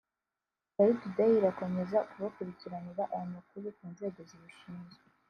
Kigali Today irakomeza kubakurikiranira aya makuru ku nzego zibishinzwe